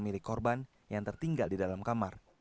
milik korban yang tertinggal di dalam kamar